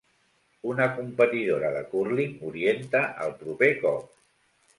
Una competidora de cúrling orienta el proper cop.